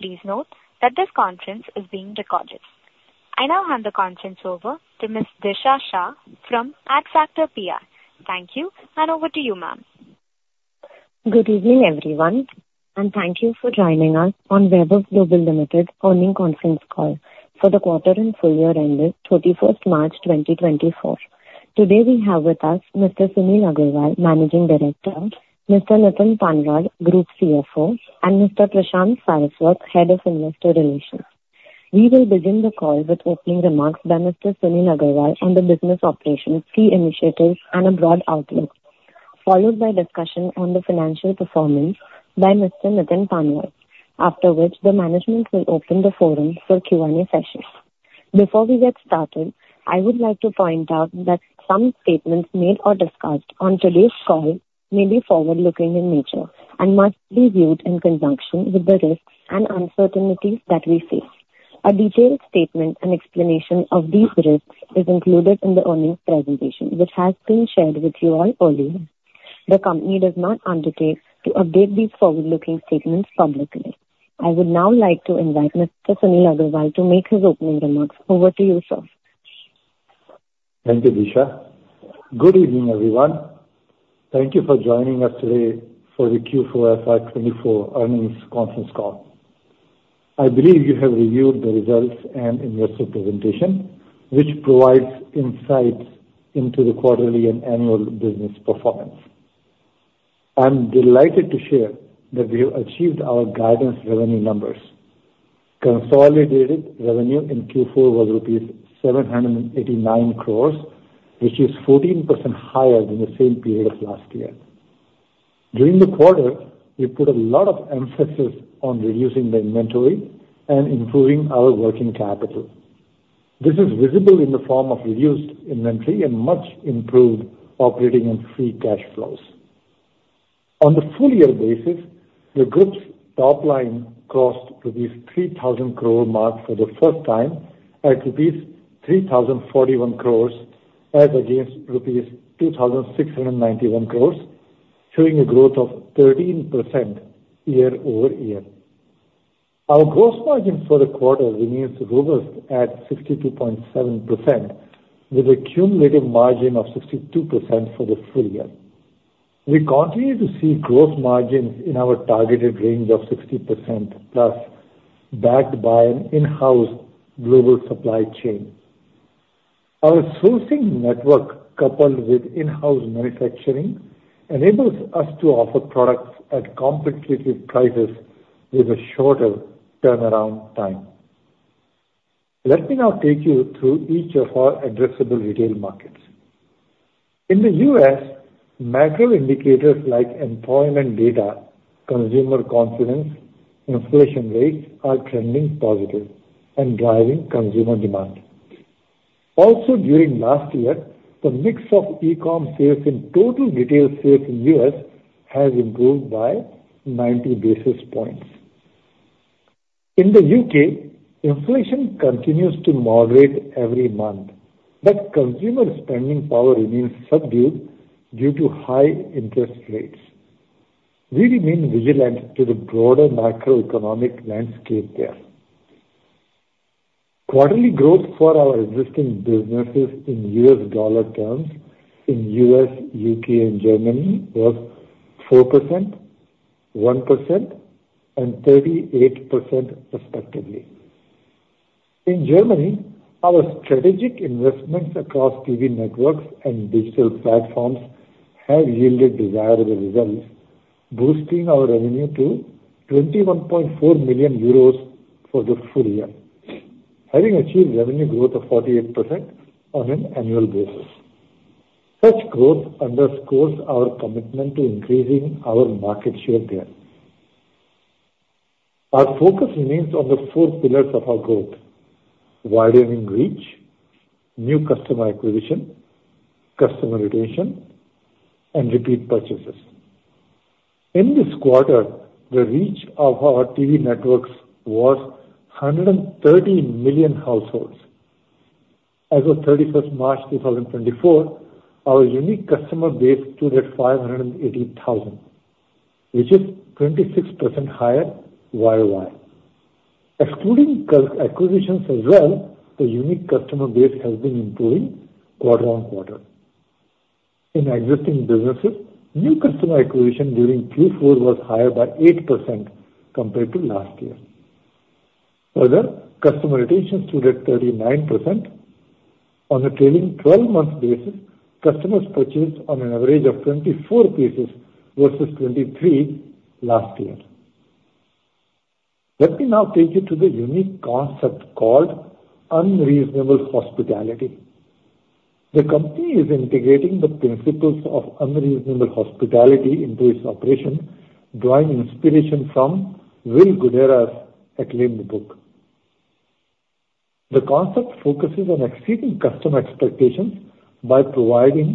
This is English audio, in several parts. Please note that this conference is being recorded. I now hand the conference over to Ms. Disha Shah from Adfactors PR. Thank you, and over to you, ma'am. Good evening, everyone, and thank you for joining us on Vaibhav Global Limited earnings conference call for the quarter and full year ended 31st March 2024. Today, we have with us Mr. Sunil Agrawal, Managing Director, Mr. Nitin Panwadkar, Group CFO, and Mr. Prashant Suryawanshi, Head of Investor Relations. We will begin the call with opening remarks by Mr. Sunil Agrawal on the business operations, key initiatives, and a broad outlook, followed by discussion on the financial performance by Mr. Nitin Panwadkar. After which, the management will open the forum for Q&A sessions. Before we get started, I would like to point out that some statements made or discussed on today's call may be forward-looking in nature and must be viewed in conjunction with the risks and uncertainties that we face. A detailed statement and explanation of these risks is included in the earnings presentation, which has been shared with you all earlier. The company does not undertake to update these forward-looking statements publicly. I would now like to invite Mr. Sunil Agrawal to make his opening remarks. Over to you, sir. Thank you, Disha. Good evening, everyone. Thank you for joining us today for the Q4 FY 2024 earnings conference call. I believe you have reviewed the results and investor presentation, which provides insights into the quarterly and annual business performance. I'm delighted to share that we have achieved our guidance revenue numbers. Consolidated revenue in Q4 was rupees 789 crores, which is 14% higher than the same period of last year. During the quarter, we put a lot of emphasis on reducing the inventory and improving our working capital. This is visible in the form of reduced inventory and much improved operating and free cash flows. On the full year basis, the group's top line crossed rupees 3,000 crore mark for the first time at rupees 3,041 crore, as against rupees 2,691 crore, showing a growth of 13% year-over-year. Our gross margin for the quarter remains robust at 62.7%, with a cumulative margin of 62% for the full year. We continue to see gross margins in our targeted range of 60%+, backed by an in-house global supply chain. Our sourcing network, coupled with in-house manufacturing, enables us to offer products at competitive prices with a shorter turnaround time. Let me now take you through each of our addressable retail markets. In the U.S., macro indicators like employment data, consumer confidence, inflation rates, are trending positive and driving consumer demand. Also, during last year, the mix of e-com sales in total retail sales in U.S. has improved by 90 basis points. In the U.K., inflation continues to moderate every month, but consumer spending power remains subdued due to high interest rates. We remain vigilant to the broader macroeconomic landscape there. Quarterly growth for our existing businesses in U.S. dollar terms in U.S., U.K., and Germany was 4%, 1%, and 38% respectively. In Germany, our strategic investments across TV networks and digital platforms have yielded desirable results, boosting our revenue to 21.4 million euros for the full year, having achieved revenue growth of 48% on an annual basis. Such growth underscores our commitment to increasing our market share there. Our focus remains on the four pillars of our growth: widening reach, new customer acquisition, customer retention, and repeat purchases. In this quarter, the reach of our TV networks was 130 million households. As of March 31, 2024, our unique customer base stood at 580,000, which is 26% higher year-over-year. Excluding current acquisitions as well, the unique customer base has been improving quarter-on-quarter. In existing businesses, new customer acquisition during Q4 was higher by 8% compared to last year. Further, customer retention stood at 39%. On a trailing twelve-month basis, customers purchased on an average of 24 pieces versus 23 last year. Let me now take you to the unique concept called Unreasonable Hospitality. The company is integrating the principles of Unreasonable Hospitality into its operation, drawing inspiration from Will Guidara's acclaimed book. The concept focuses on exceeding customer expectations by providing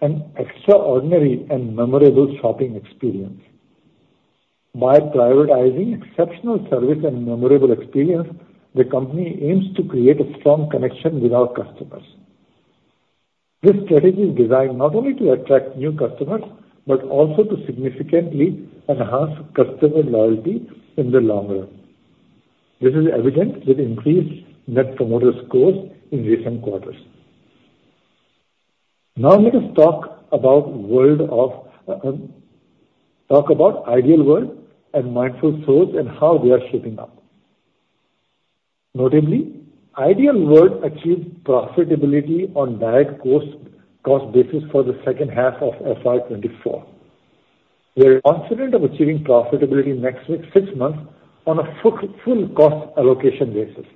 an extraordinary and memorable shopping experience. By prioritizing exceptional service and memorable experience, the company aims to create a strong connection with our customers. This strategy is designed not only to attract new customers, but also to significantly enhance customer loyalty in the long run. This is evident with increased net promoter scores in recent quarters. Now let us talk about Ideal World and Mindful Souls and how we are shaping up. Notably, Ideal World achieved profitability on direct cost basis for the second half of FY 2024. We are confident of achieving profitability in next six months on a full cost allocation basis.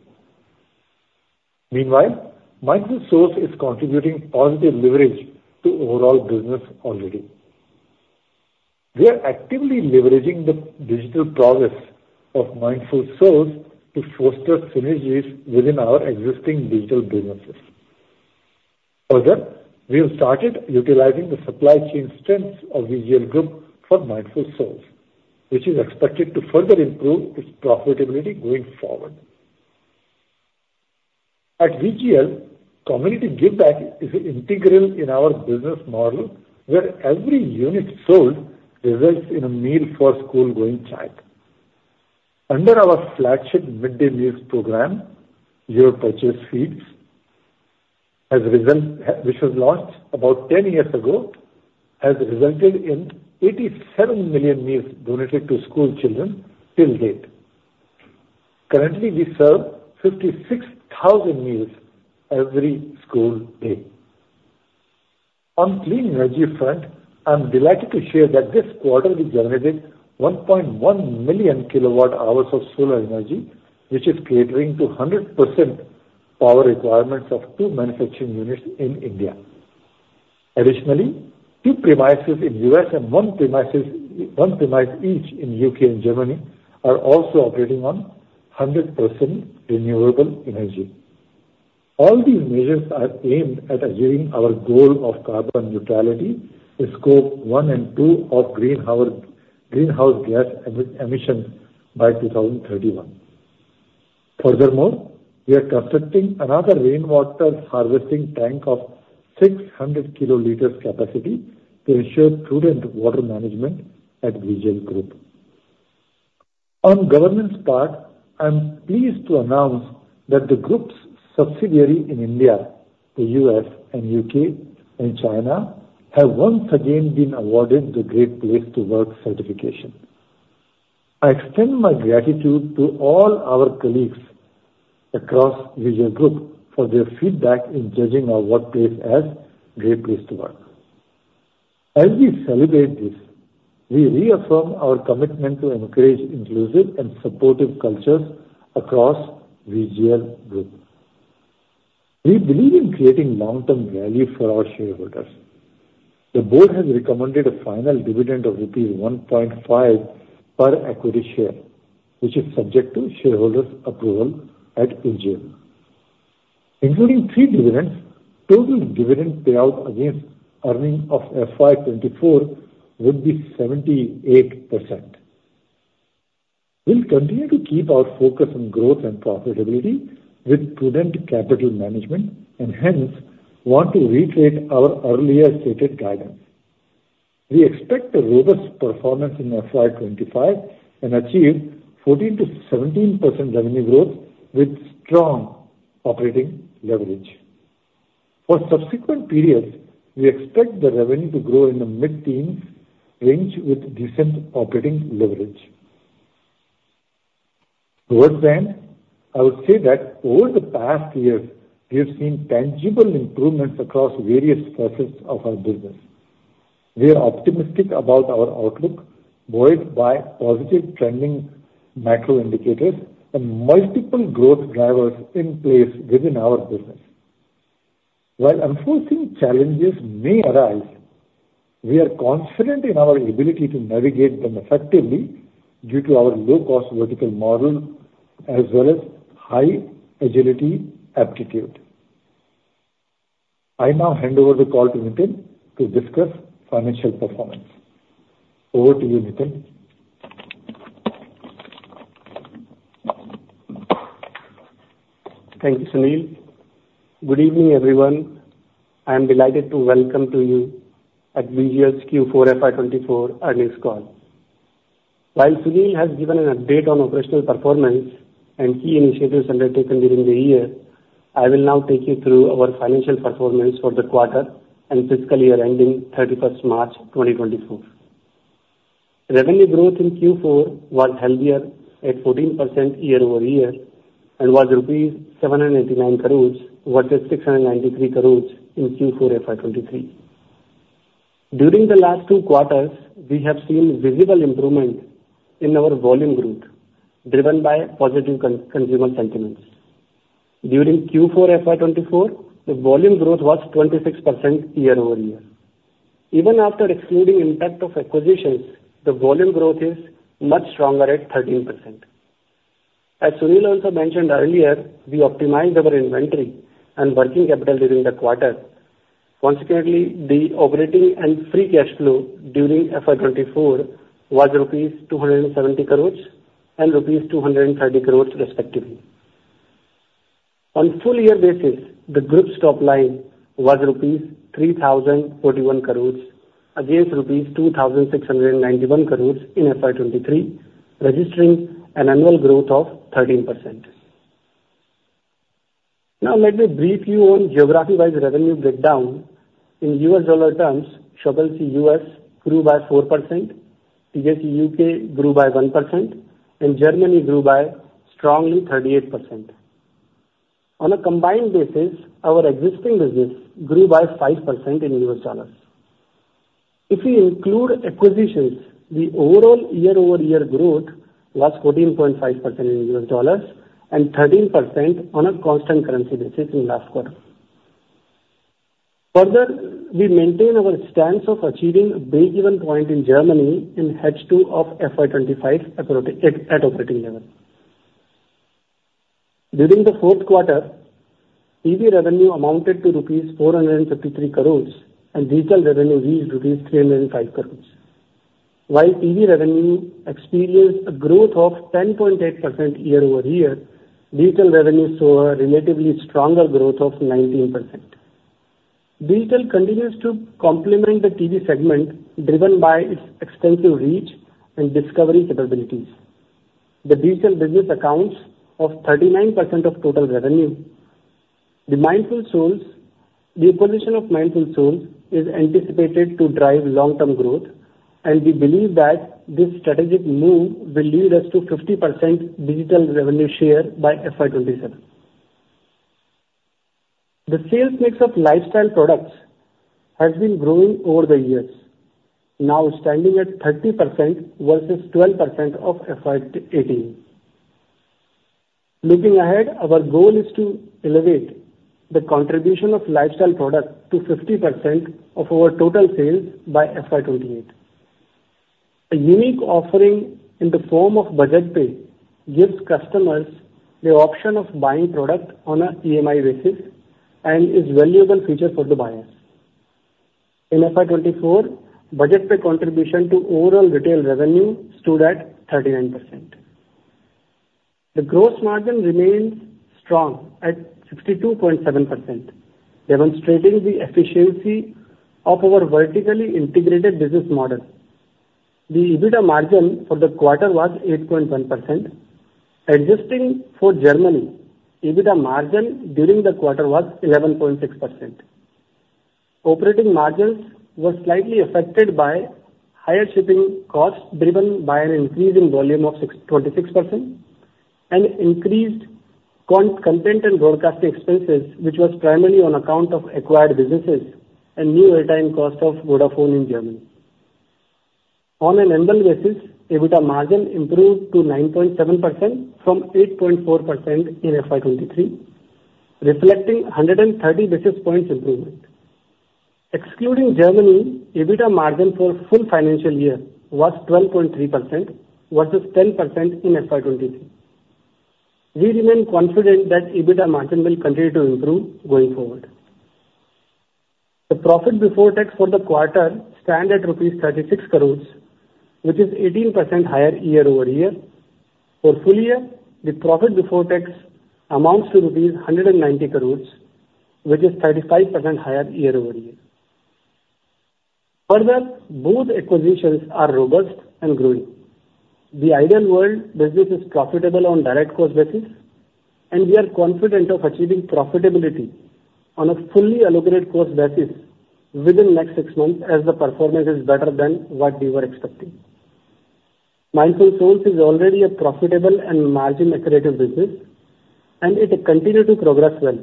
Meanwhile, Mindful Souls is contributing positive leverage to overall business already. We are actively leveraging the digital prowess of Mindful Souls to foster synergies within our existing digital businesses. Further, we have started utilizing the supply chain strengths of VGL Group for Mindful Souls, which is expected to further improve its profitability going forward. At VGL, community giveback is integral in our business model, where every unit sold results in a meal for a school-going child. Under our flagship midday meals program, which was launched about 10 years ago, has resulted in 87 million meals donated to school children till date. Currently, we serve 56,000 meals every school day. On clean energy front, I'm delighted to share that this quarter, we generated 1.1 million kWh of solar energy, which is catering to 100% power requirements of 2 manufacturing units in India. Additionally, 2 premises in U.S. and 1 premise each in U.K. and Germany are also operating on 100% renewable energy. All these measures are aimed at achieving our goal of carbon neutrality in Scope 1 and 2 of greenhouse gas emission by 2031. Furthermore, we are constructing another rainwater harvesting tank of 600 kiloliters capacity to ensure prudent water management at VGL Group. On governance part, I'm pleased to announce that the group's subsidiary in India, the U.S., and U.K., and China, have once again been awarded the Great Place to Work certification. I extend my gratitude to all our colleagues across VGL Group for their feedback in judging our workplace as Great Place to Work. As we celebrate this, we reaffirm our commitment to encourage inclusive and supportive cultures across VGL Group. We believe in creating long-term value for our shareholders. The board has recommended a final dividend of rupees 1.5 per equity share, which is subject to shareholders' approval at AGM. Including three dividends, total dividend payout against earnings of FY 2024 would be 78%. We'll continue to keep our focus on growth and profitability with prudent capital management, and hence, want to reiterate our earlier stated guidance. We expect a robust performance in FY 2025 and achieve 14%-17% revenue growth with strong operating leverage. For subsequent periods, we expect the revenue to grow in the mid-teens range with decent operating leverage. Towards the end, I would say that over the past year, we have seen tangible improvements across various facets of our business. We are optimistic about our outlook, buoyed by positive trending macro indicators and multiple growth drivers in place within our business. While unforeseen challenges may arise, we are confident in our ability to navigate them effectively due to our low-cost vertical model as well as high agility aptitude. I now hand over the call to Nitin to discuss financial performance. Over to you, Nitin. Thank you, Sunil. Good evening, everyone. I am delighted to welcome you to VGL's Q4 FY 2024 earnings call. While Sunil has given an update on operational performance and key initiatives undertaken during the year, I will now take you through our financial performance for the quarter and fiscal year ending 31 March 2024. Revenue growth in Q4 was healthier at 14% year-over-year, and was rupees 789 crore, versus 693 crore in Q4 FY 2023. During the last two quarters, we have seen visible improvement in our volume growth, driven by positive consumer sentiments. During Q4 FY 2024, the volume growth was 26% year-over-year. Even after excluding impact of acquisitions, the volume growth is much stronger at 13%. As Sunil also mentioned earlier, we optimized our inventory and working capital during the quarter. Consequently, the operating and free cash flow during FY 2024 was rupees 270 crores and rupees 230 crores, respectively. On full year basis, the group's top line was rupees 3,041 crores against rupees 2,691 crores in FY 2023, registering an annual growth of 13%. Now let me brief you on geography-wise revenue breakdown. In U.S. dollar terms, Shop LC grew by 4%, TJC grew by 1%, and Germany grew by strongly 38%. On a combined basis, our existing business grew by 5% in U.S. dollars. If we include acquisitions, the overall year-over-year growth was 14.5% in U.S. dollars and 13% on a constant currency basis in last quarter. Further, we maintain our stance of achieving a breakeven point in Germany in H2 of FY 2025 at operating level. During the fourth quarter, TV revenue amounted to 453 crores rupees, and digital revenue reached 305 crores rupees. While TV revenue experienced a growth of 10.8% year-over-year, digital revenue saw a relatively stronger growth of 19%. Digital continues to complement the TV segment, driven by its extensive reach and discovery capabilities. The digital business accounts for 39% of total revenue. The Mindful Souls, the acquisition of Mindful Souls, is anticipated to drive long-term growth, and we believe that this strategic move will lead us to 50% digital revenue share by FY 2027. The sales mix of lifestyle products has been growing over the years, now standing at 30% versus 12% of FY 2018. Looking ahead, our goal is to elevate the contribution of lifestyle products to 50% of our total sales by FY 2028. A unique offering in the form of BudgetPay gives customers the option of buying product on a EMI basis and is valuable feature for the buyers. In FY 2024, BudgetPay contribution to overall retail revenue stood at 39%. The gross margin remains strong at 62.7%, demonstrating the efficiency of our vertically integrated business model. The EBITDA margin for the quarter was 8.1%. Adjusting for Germany, EBITDA margin during the quarter was 11.6%. Operating margins were slightly affected by higher shipping costs, driven by an increase in volume of 26% and increased content and broadcasting expenses, which was primarily on account of acquired businesses and new airtime cost of Vodafone in Germany. On an annual basis, EBITDA margin improved to 9.7% from 8.4% in FY 2023, reflecting 130 basis points improvement. Excluding Germany, EBITDA margin for full financial year was 12.3%, versus 10% in FY 2023. We remain confident that EBITDA margin will continue to improve going forward. The profit before tax for the quarter stand at rupees 36 crores, which is 18% higher year over year. For full year, the profit before tax amounts to rupees 190 crores, which is 35% higher year over year. Further, both acquisitions are robust and growing. The Ideal World business is profitable on direct cost basis, and we are confident of achieving profitability on a fully allocated cost basis within the next 6 months as the performance is better than what we were expecting. Mindful Souls is already a profitable and margin-accretive business, and it continued to progress well.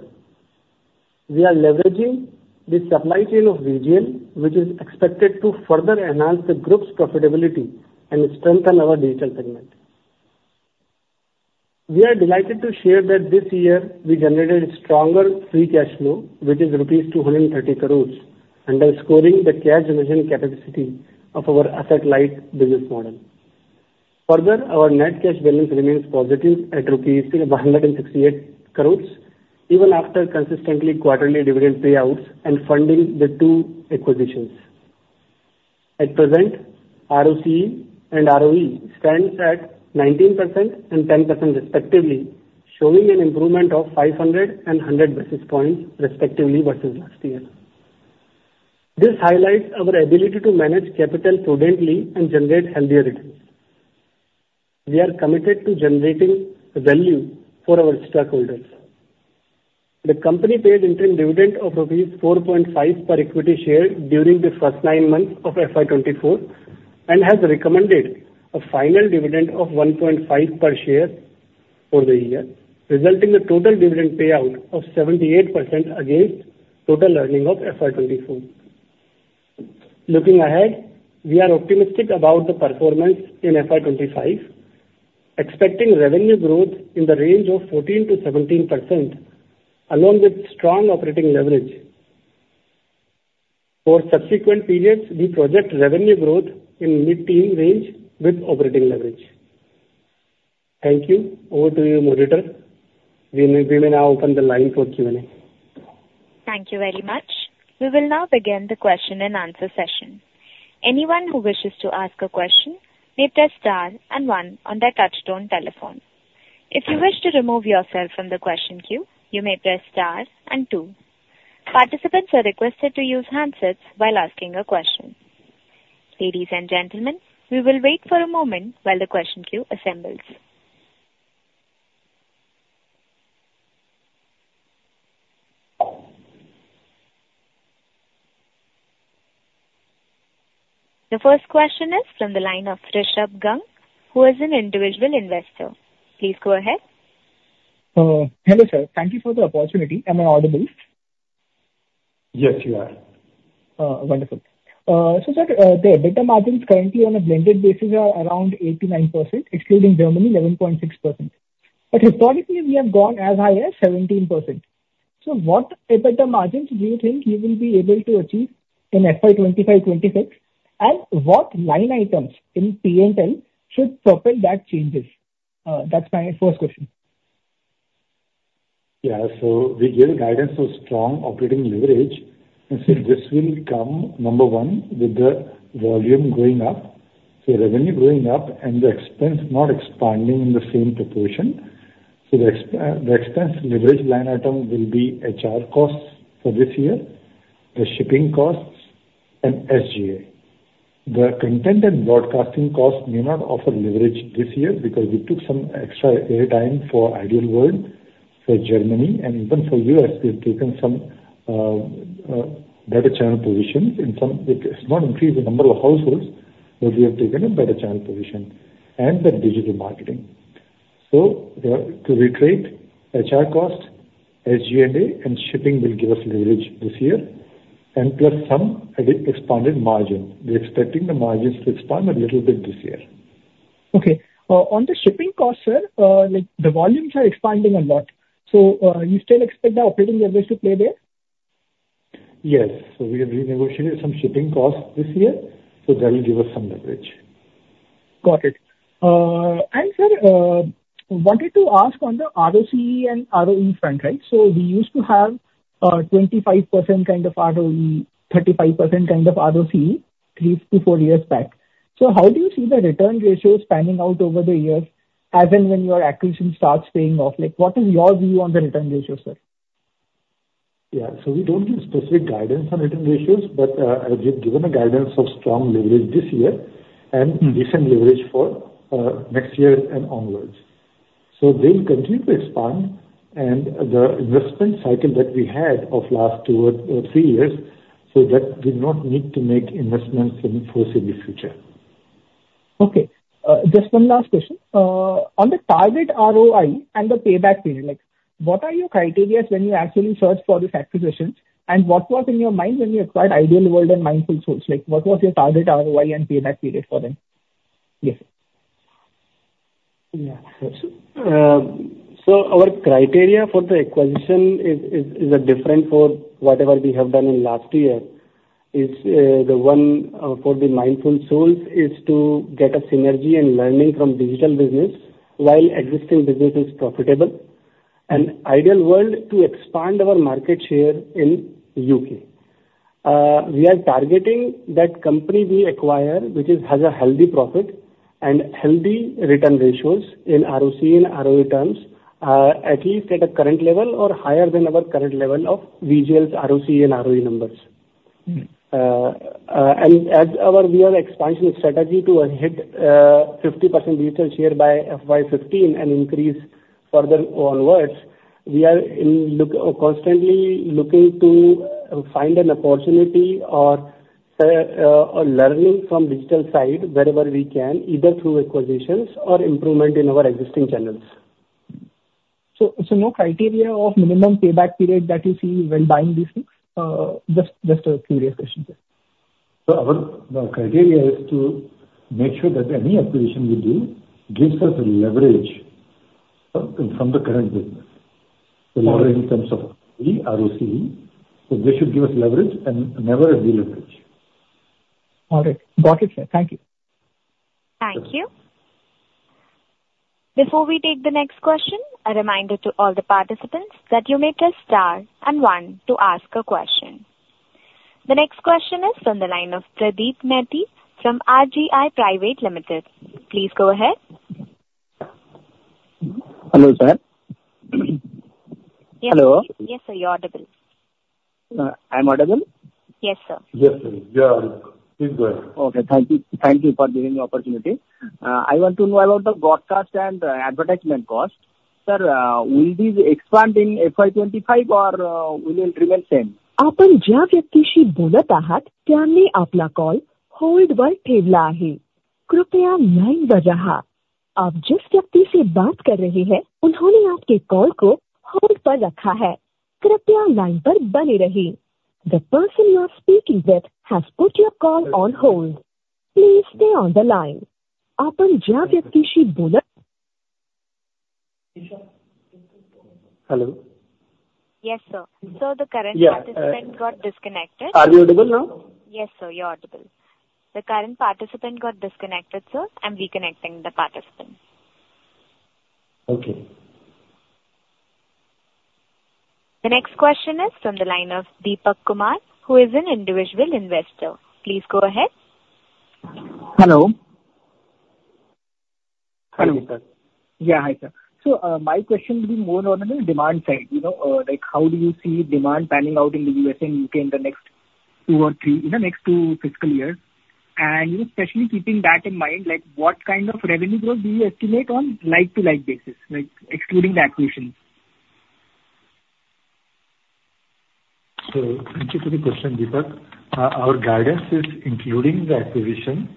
We are leveraging the supply chain of VGL, which is expected to further enhance the group's profitability and strengthen our digital segment. We are delighted to share that this year we generated stronger free cash flow, which is rupees 230 crore, underscoring the cash generation capacity of our asset-light business model. Further, our net cash balance remains positive at 168 crore rupees, even after consistent quarterly dividend payouts and funding the two acquisitions. At present, ROCE and ROE stands at 19% and 10% respectively, showing an improvement of 500 and 100 basis points respectively, versus last year. This highlights our ability to manage capital prudently and generate healthier returns. We are committed to generating value for our stakeholders. The company paid interim dividend of rupees 4.5 per equity share during the first nine months of FY 2024, and has recommended a final dividend of 1.5 per share for the year, resulting in total dividend payout of 78% against total earnings of FY 2024. Looking ahead, we are optimistic about the performance in FY 2025, expecting revenue growth in the range of 14%-17%, along with strong operating leverage. For subsequent periods, we project revenue growth in mid-teen range with operating leverage. Thank you. Over to you, moderator. We may now open the line for Q&A. ...Thank you very much. We will now begin the question and answer session. Anyone who wishes to ask a question may press star and one on their touchtone telephone. If you wish to remove yourself from the question queue, you may press star and two. Participants are requested to use handsets while asking a question. Ladies and gentlemen, we will wait for a moment while the question queue assembles. The first question is from the line of Rishabh Gang, who is an individual investor. Please go ahead. Hello, sir. Thank you for the opportunity. Am I audible? Yes, you are. Wonderful. So sir, the EBITDA margins currently on a blended basis are around 89%, excluding Germany, 11.6%. But historically, we have gone as high as 17%. So what EBITDA margins do you think you will be able to achieve in FY 2025, 2026? And what line items in PNL should propel that changes? That's my first question. Yeah. So we gave guidance for strong operating leverage, and so this will come, number one, with the volume going up, so revenue going up and the expense not expanding in the same proportion. So the ex, the expense leverage line item will be HR costs for this year, the shipping costs and SG&A. The content and broadcasting costs may not offer leverage this year because we took some extra airtime for Ideal World for Germany and even for US, we have taken some better channel positions, and some it has not increased the number of households, but we have taken a better channel position and the digital marketing. So the, to reiterate, HR costs, SG&A, and shipping will give us leverage this year and plus some added expanded margin. We're expecting the margins to expand a little bit this year. Okay. On the shipping cost, sir, like, the volumes are expanding a lot, so, you still expect the operating leverage to play there? Yes. So we have renegotiated some shipping costs this year, so that will give us some leverage. Got it. And sir, wanted to ask on the ROCE and ROE front, right? So we used to have, 25% kind of ROE, 35% kind of ROCE, 3-4 years back. So how do you see the return ratios panning out over the years, as and when your acquisition starts paying off? Like, what is your view on the return ratios, sir? Yeah. So we don't give specific guidance on return ratios, but, we've given a guidance of strong leverage this year and decent leverage for, next year and onwards. So they'll continue to expand and the investment cycle that we had of last two or, three years, so that we not need to make investments in foreseeable future. Okay. Just one last question. On the target ROI and the payback period, like, what are your criteria when you actually search for these acquisitions? And what was in your mind when you acquired Ideal World and Mindful Souls? Like, what was your target ROI and payback period for them? Yeah. So our criteria for the acquisition is different for whatever we have done in last year. It's the one for the Mindful Souls is to get a synergy and learning from digital business while existing business is profitable. And Ideal World, to expand our market share in U.K. We are targeting that company we acquire, which has a healthy profit and healthy return ratios in ROCE and ROE terms, at least at a current level or higher than our current level of VGL's ROCE and ROE numbers. Mm. As our expansion strategy to hit 50% retail share by FY 2015 and increase further onwards, we are constantly looking to find an opportunity or a learning from digital side wherever we can, either through acquisitions or improvement in our existing channels. So, so no criteria of minimum payback period that you see when buying these things? Just, just a curious question, sir. So our criteria is to make sure that any acquisition we do gives us leverage from the current business, in terms of ROCE. So they should give us leverage and never a deleverage. All right. Got it, sir. Thank you. Thank you. Before we take the next question, a reminder to all the participants that you may press Star and One to ask a question. The next question is from the line of Pradeep Neti from RGI Private Limited. Please go ahead. Hello, sir. Hello? Yes, sir, you're audible. I'm audible? Yes, sir. Yes, sir. You are. Please go ahead. Okay, thank you. Thank you for giving the opportunity. I want to know about the broadcast and advertisement costs. Sir, will these expand in FY 25, or will it remain same? The person you are speaking with has put your call on hold. Please stay on the line. Hello? Yes, sir. Sir, the current- Yeah, uh- Participant got disconnected. Are you audible now? Yes, sir, you're audible. The current participant got disconnected, sir. I'm reconnecting the participant.... Okay. The next question is from the line of Deepak Kumar, who is an individual investor. Please go ahead. Hello? Hello, sir. Yeah. Hi, sir. So, my question will be more on the demand side, you know, like how do you see demand panning out in the U.S. and U.K. in the next two or three, in the next two fiscal years? And, you know, especially keeping that in mind, like, what kind of revenue growth do you estimate on like-to-like basis, like excluding the acquisitions? Thank you for the question, Deepak. Our guidance is including the acquisition.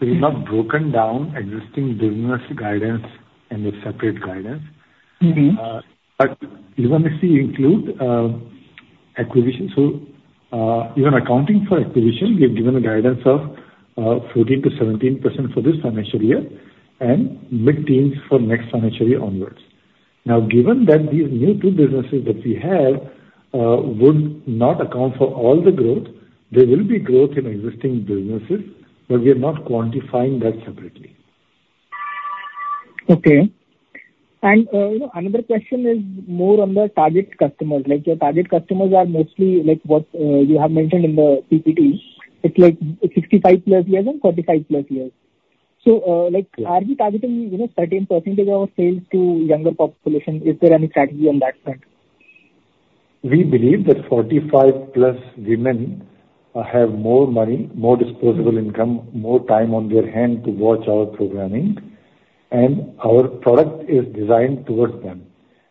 It's not broken down, existing business guidance and the separate guidance. Mm-hmm. But you want to see include acquisition. So, even accounting for acquisition, we have given a guidance of 14%-17% for this financial year, and mid-teens for next financial year onwards. Now, given that these new two businesses that we have would not account for all the growth, there will be growth in existing businesses, but we are not quantifying that separately. Okay. And, you know, another question is more on the target customers. Like, your target customers are mostly like what, you have mentioned in the PPT. It's like 65+ years and 45+ years. So, like- Yeah. Are we targeting, you know, certain percentage of our sales to younger population? Is there any strategy on that front? We believe that 45+ women have more money, more disposable income, more time on their hand to watch our programming, and our product is designed towards them.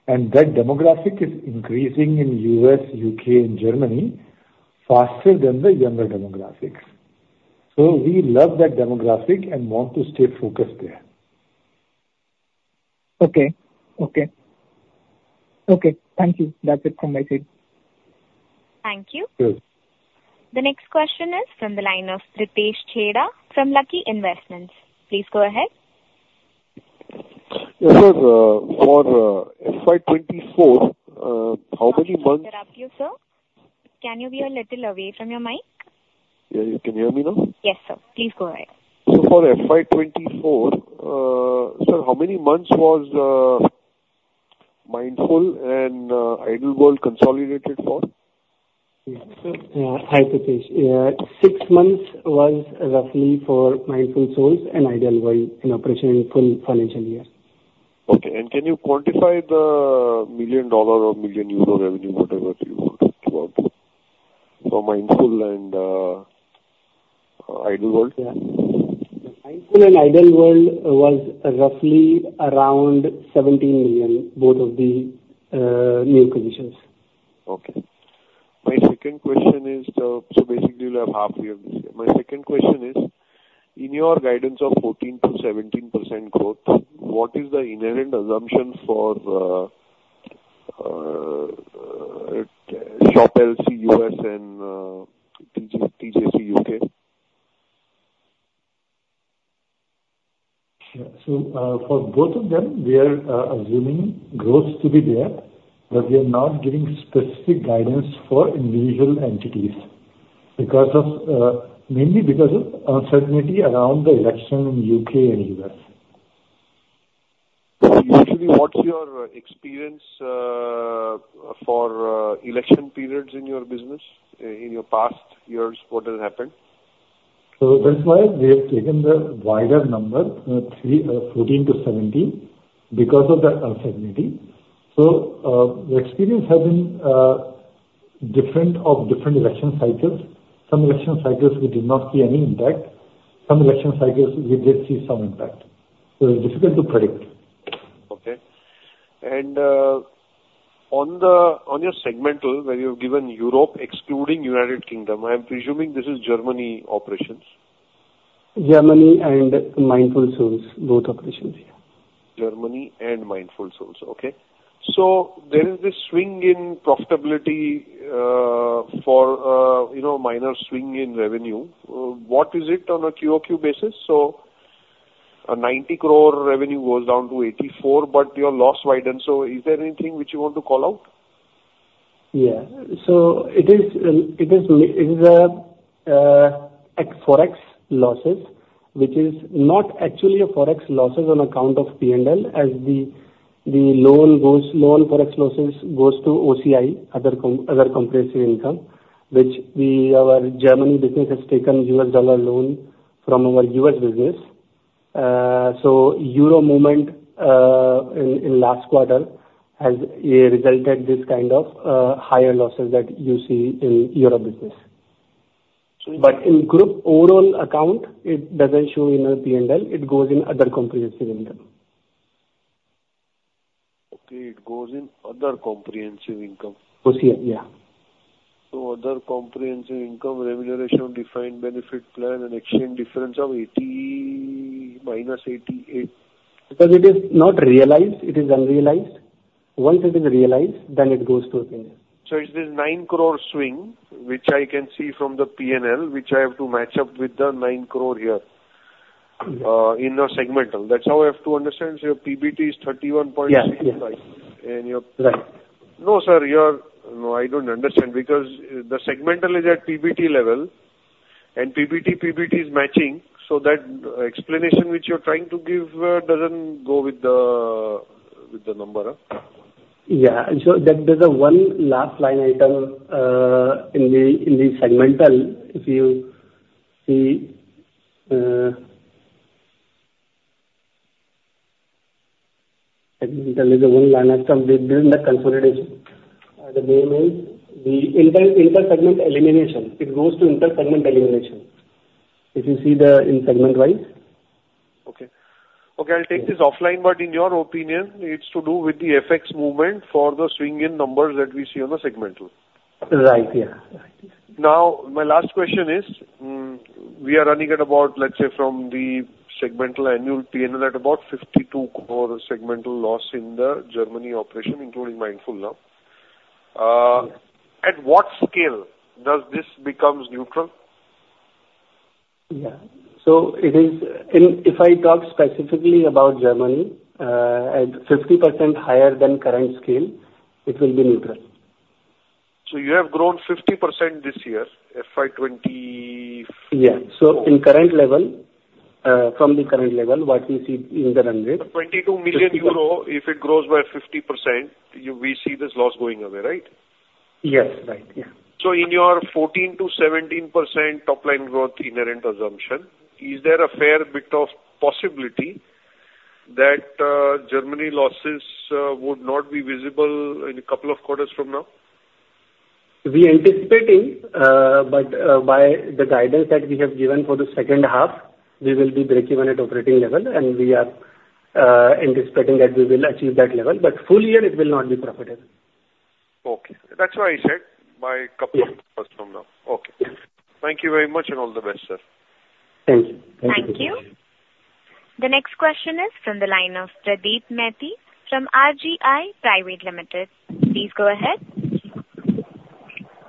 That demographic is increasing in U.S., U.K., and Germany faster than the younger demographics. We love that demographic and want to stay focused there. Okay. Okay. Okay, thank you. That's it from my side. Thank you. Good. The next question is from the line of Ritesh Chheda, from Lucky Investment Managers. Please go ahead. Yes, sir, for FY 2024, how many months? Sorry to interrupt you, sir. Can you be a little away from your mic? Yeah. You can hear me now? Yes, sir. Please go ahead. For FY 2024, sir, how many months was Mindful and Ideal World consolidated for? Yeah. Hi, Ritesh. 6 months was roughly for Mindful Souls and Ideal World in operation in full financial year. Okay. Can you quantify the $1 million or 1 million euro revenue, whatever you talked about for Mindful and Ideal World? Yeah. Mindful and Ideal World was roughly around $17 million, both of the new acquisitions. Okay. My second question is. So basically you'll have half year this year. My second question is: In your guidance of 14%-17% growth, what is the inherent assumption for Shop LC US and TJC UK? Yeah. So, for both of them, we are assuming growth to be there, but we are not giving specific guidance for individual entities because of mainly because of uncertainty around the election in U.K. and U.S. Usually, what's your experience for election periods in your business? In your past years, what has happened? So that's why we have taken the wider number, 3, 14 to 17, because of the uncertainty. So, the experience has been, different of different election cycles. Some election cycles we did not see any impact. Some election cycles we did see some impact. So it's difficult to predict. Okay. On your segmental, where you have given Europe excluding United Kingdom, I am presuming this is Germany operations. Germany and Mindful Souls, both operations, yeah. Germany and Mindful Souls. Okay. So there is this swing in profitability for, you know, minor swing in revenue. What is it on a QOQ basis? So a 90 crore revenue goes down to 84 crore, but your loss widened. So is there anything which you want to call out? Yeah. So it is a forex losses, which is not actually a forex losses on account of P&L, as the loan goes, loan forex losses goes to OCI, Other Comprehensive Income, which our Germany business has taken U.S. dollar loan from our U.S. business. So euro movement in last quarter has resulted this kind of higher losses that you see in euro business. In group overall account, it doesn't show in our P&L. It goes in Other Comprehensive Income. Okay, it goes in Other Comprehensive Income. OCI, yeah. Other Comprehensive Income, remuneration, defined benefit plan and exchange difference of 88 - 88. Because it is not realized, it is unrealized. Once it is realized, then it goes to P&L. So it's this 9 crore swing, which I can see from the P&L, which I have to match up with the 9 crore here. Mm-hmm... in the segmental. That's how I have to understand? So your PBT is 31.65- Yeah. Yeah. -and your- Right. No, sir, your—no, I don't understand, because the segmental is at PBT level, and PBT, PBT is matching, so that explanation which you're trying to give doesn't go with the number? Yeah, and so there's one last line item in the segmental. If you see, there is one line item within the consolidation, the name is the inter-segment elimination. It goes to inter-segment elimination. If you see the in segment-wise. Okay. Okay, I'll take this offline, but in your opinion, it's to do with the FX movement for the swing in numbers that we see on the segmental? Right. Yeah, right. Now, my last question is, we are running at about, let's say, from the segmental annual PNL at about 52 crore segmental loss in the Germany operation, including Mindful now. At what scale does this becomes neutral? Yeah. So it is, and if I talk specifically about Germany, at 50% higher than current scale, it will be neutral. So you have grown 50% this year, FY 20... Yeah. So in current level, from the current level, what we see in the run rate- 22 million euro, if it grows by 50%, you, we see this loss going away, right? Yes. Right. Yeah. So in your 14%-17% top line growth inherent assumption, is there a fair bit of possibility that Germany losses would not be visible in a couple of quarters from now? We are anticipating, but, by the guidance that we have given for the second half, we will be breakeven at operating level, and we are, anticipating that we will achieve that level, but full year it will not be profitable. Okay. That's why I said by couple quarters from now. Yeah. Okay. Thank you very much, and all the best, sir. Thank you. Thank you. The next question is from the line of Pradeep Neti from RGI Private Limited. Please go ahead.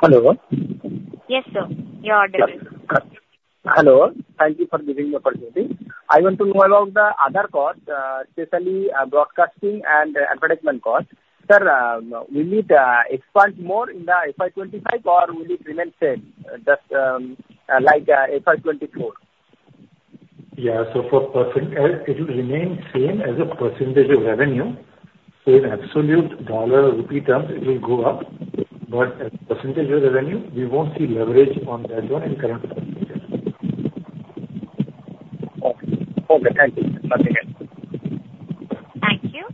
Hello. Yes, sir, you're on mute. Hello. Thank you for giving the opportunity. I want to know about the other costs, especially, broadcasting and advertisement costs. Sir, will it expand more in the FY 2025, or will it remain same, just, like, FY 2024? Yeah. So for percent, it will remain same as a percentage of revenue. In absolute dollar or rupee terms, it will go up, but as percentage of revenue, we won't see leverage on that one in current financial year. Okay. Okay, thank you. Nothing else. Thank you.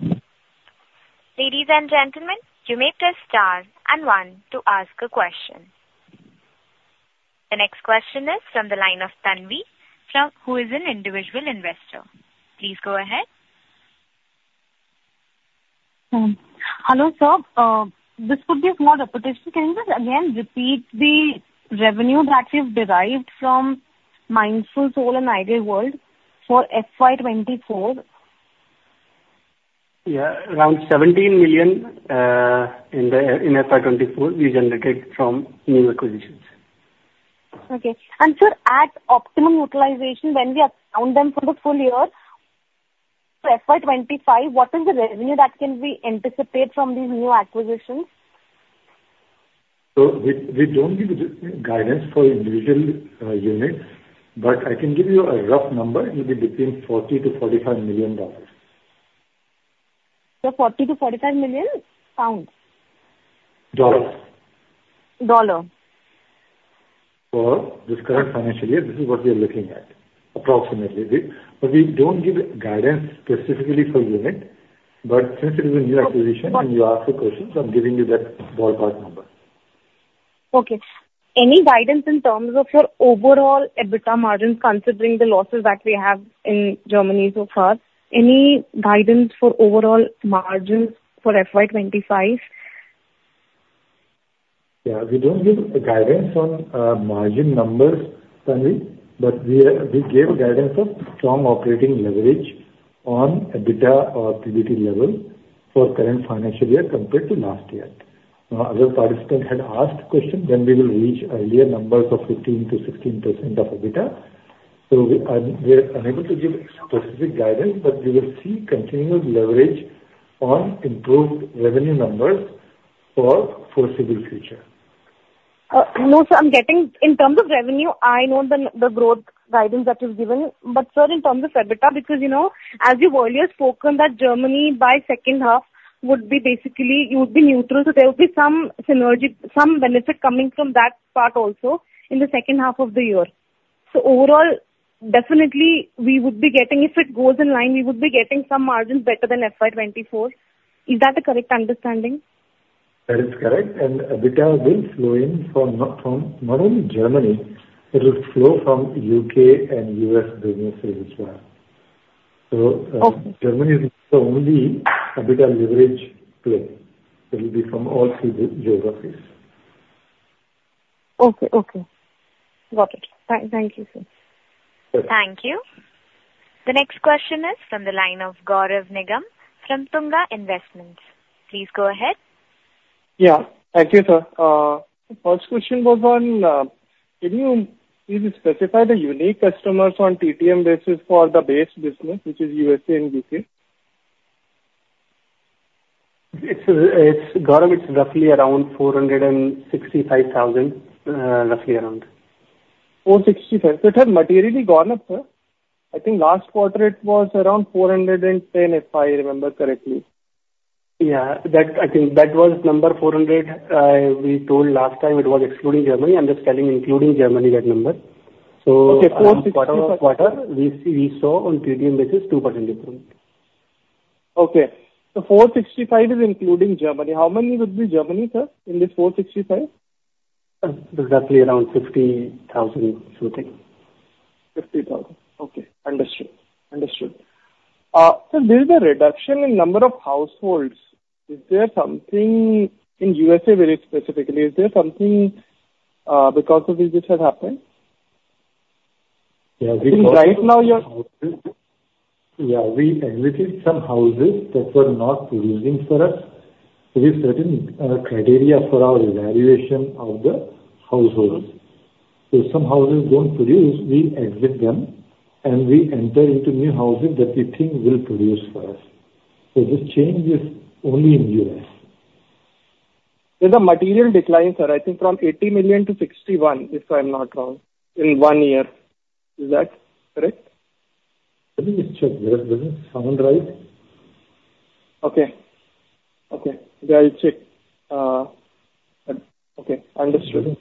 Ladies and gentlemen, you may press star and one to ask a question. The next question is from the line of Tanvi from... who is an individual investor. Please go ahead. Hello, sir. This could be a small repetition. Can you just again repeat the revenue that you've derived from Mindful Souls and Ideal World for FY 2024? Yeah. Around 17 million in FY 2024, we generated from new acquisitions. Okay. And sir, at optimum utilization, when we account them for the full year, for FY 25, what is the revenue that can be anticipated from these new acquisitions? We don't give guidance for individual units, but I can give you a rough number. It will be between $40 million-$45 million. 40-45 million GBP? Dollars. Dollar. For this current financial year, this is what we are looking at, approximately. We, but we don't give guidance specifically per unit, but since it is a new acquisition- But- and you asked the question, so I'm giving you that ballpark number. Okay. Any guidance in terms of your overall EBITDA margins, considering the losses that we have in Germany so far? Any guidance for overall margins for FY 25? Yeah. We don't give guidance on, margin numbers, Tanvi, but we are, we gave guidance of strong operating leverage on EBITDA or PBT level for current financial year compared to last year. Now, other participant had asked question, then we will reach earlier numbers of 15%-16% of EBITDA. So we, we are unable to give specific guidance, but we will see continued leverage on improved revenue numbers for foreseeable future. No, sir, I'm getting... In terms of revenue, I know the, the growth guidance that you've given. But sir, in terms of EBITDA, because, you know, as you've earlier spoken, that Germany by second half would be basically, you would be neutral, so there will be some synergy, some benefit coming from that part also in the second half of the year. So overall, definitely we would be getting, if it goes in line, we would be getting some margins better than FY 2024. Is that a correct understanding? That is correct, and EBITDA will flow in from not only Germany. It will flow from U.K. and U.S. businesses as well. Okay. Germany is the only EBITDA leverage play. It will be from all three geographies. Okay, okay. Got it. Thank you, sir. Okay. Thank you. The next question is from the line of Gaurav Nigam from Tunga Investments. Please go ahead. Yeah. Thank you, sir. First question was on, can you please specify the unique customers on TTM basis for the base business, which is USA and U.K.?... It's Gaurav, it's roughly around 465,000, roughly around. 465. So it has materially gone up, sir. I think last quarter it was around 410, if I remember correctly. Yeah, that I think that was number 400, we told last time it was excluding Germany. I'm just telling including Germany, that number. So- Okay, 465- Quarter we see, we saw on QDM basis, 2% improvement. Okay, so 465 is including Germany. How many would be Germany, sir, in this 465? It's roughly around 50,000, something. 50,000. Okay, understood. Understood. Sir, there is a reduction in number of households. Is there something in USA very specifically? Is there something because of which this has happened? Yeah, we- Right now, you're- Yeah, we exited some houses that were not producing for us. So we have certain criteria for our evaluation of the households. So some houses don't produce, we exit them, and we enter into new houses that we think will produce for us. So this change is only in U.S. There's a material decline, sir, I think from 80 million-61 million, if I'm not wrong, in one year. Is that correct? Let me just check. That doesn't sound right. Okay. Okay, then I'll check. Okay, understood.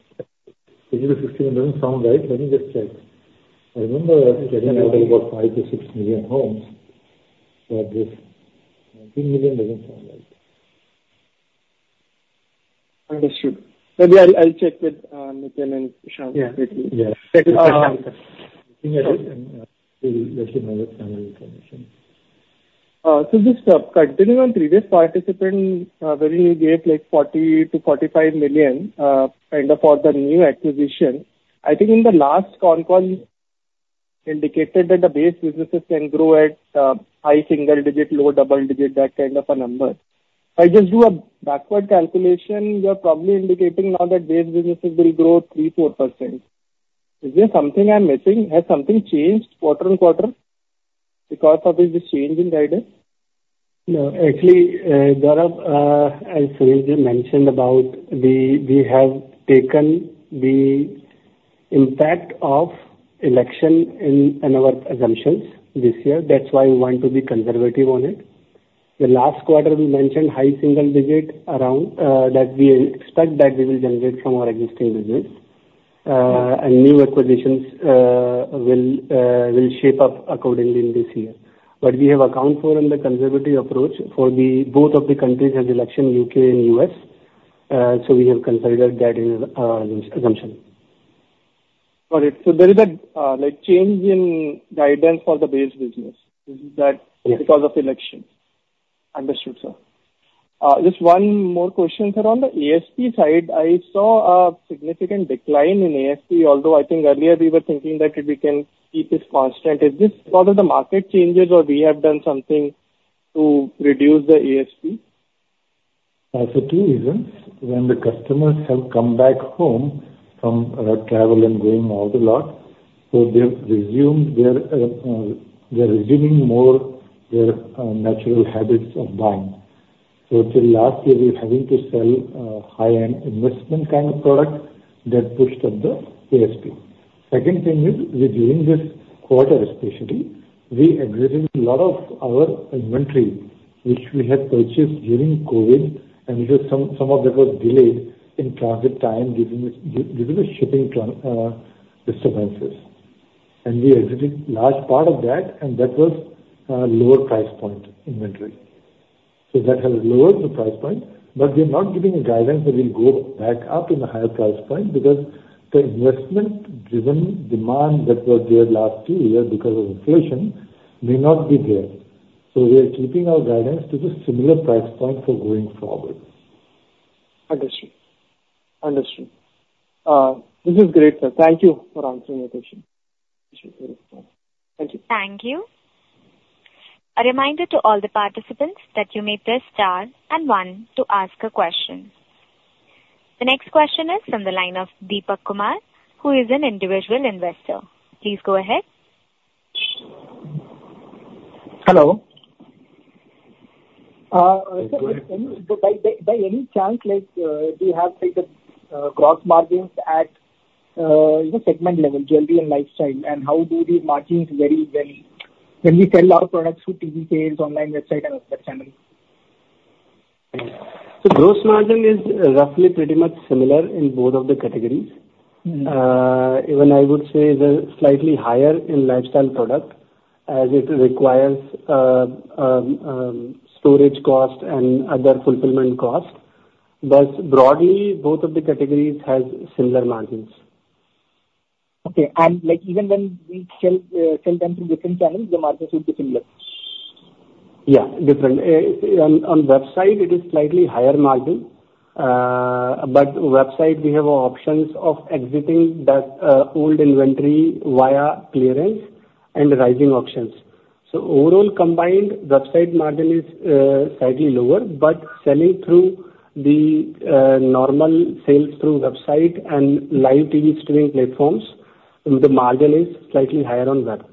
70-60 doesn't sound right. Let me just check. I remember getting about 5-6 million homes, but this 19 million doesn't sound right. Understood. Maybe I'll check with Nitin and Shyam. Yeah. Yeah. So just continuing on previous participant, where you gave, like, 40 million-45 million, kind of for the new acquisition. I think in the last con call indicated that the base businesses can grow at, high single digit, low double digit, that kind of a number. If I just do a backward calculation, you are probably indicating now that base businesses will grow 3%-4%. Is there something I'm missing? Has something changed quarter-on-quarter because of this, this change in guidance? No, actually, Gaurav, as Sunil mentioned about, we, we have taken the impact of election in, in our assumptions this year. That's why we want to be conservative on it. The last quarter we mentioned high single digit around, that we expect that we will generate from our existing business. And new acquisitions, will, will shape up accordingly in this year. But we have accounted for in the conservative approach for the both of the countries has election, U.K. and U.S., so we have considered that in, this assumption. Got it. So there is a, like, change in guidance for the base business. Is that- Yes. because of elections? Understood, sir. Just one more question, sir. On the ASP side, I saw a significant decline in ASP, although I think earlier we were thinking that we can keep this constant. Is this because of the market changes or we have done something to reduce the ASP? For two reasons. When the customers have come back home from travel and going out a lot, so they've resumed their, they're resuming more their natural habits of buying. So till last year, we're having to sell high-end investment kind of product that pushed up the ASP. Second thing is, during this quarter, especially, we exited a lot of our inventory, which we had purchased during COVID, and some of that was delayed in transit time due to the shipping trans disturbances. And we exited large part of that, and that was lower price point inventory. So that has lowered the price point, but we're not giving a guidance that will go back up in a higher price point because the investment-driven demand that was there last two year because of inflation may not be there. So we are keeping our guidance to the similar price point for going forward. Understood. Understood. This is great, sir. Thank you for answering my question. Thank you. Thank you. A reminder to all the participants that you may press star and one to ask a question. The next question is from the line of Deepak Kumar, who is an individual investor. Please go ahead. Hello? Sir, by any chance, like, do you have, like, the gross margins at, you know, segment level, jewelry and lifestyle, and how do the margins vary when we sell our products through TV sales, online website and other channels? Gross margin is roughly pretty much similar in both of the categories. Mm-hmm. Even I would say they're slightly higher in lifestyle product, as it requires storage cost and other fulfillment cost. But broadly, both of the categories has similar margins. Okay, and, like, even when we sell them through different channels, the margins will be similar? Yeah, different. On website, it is slightly higher margin, but website, we have options of exiting that old inventory via clearance and rising options. So overall combined, website margin is slightly lower, but selling through the normal sales through website and live TV streaming platforms, the margin is slightly higher on web....